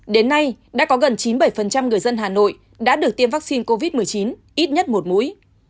đến nay đã có gần chín mươi bảy người dân hà nội đã được tiêm vaccine covid một mươi chín ít nhất một mũi